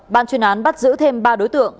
ban chuyên án bắt giữ thêm ba đối tượng